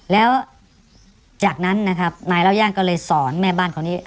แล้วจากนั้นนะครับนายเล่าย่างก็เลยสอนแม่บ้านคนนี้